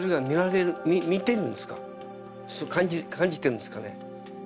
感じてるんですかね。